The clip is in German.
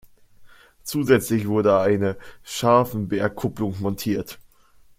Zusätzlich wurde eine Scharfenbergkupplung montiert.